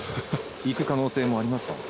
いく可能性もありますか？